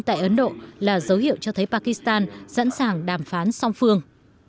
tại ấn độ là dấu hiệu cho thấy pakistan sẵn sàng đàm phán song phương